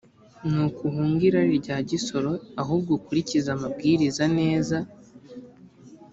nuko uhunge irari rya gisore ahubwo ukurikize amabwiriza neza.